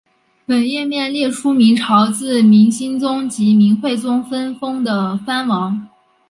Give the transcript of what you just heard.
本页面列出明朝自明兴宗及明惠宗分封的藩王。